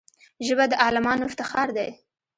ژبه د عالمانو افتخار دی